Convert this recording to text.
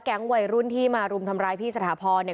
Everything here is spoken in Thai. แก๊งวัยรุ่นที่มารุมทำร้ายพี่สถาพอธ์